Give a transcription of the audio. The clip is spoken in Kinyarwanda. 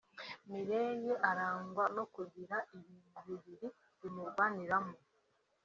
Mireille arangwa no kugira ibintu bibiri bimurwaniramo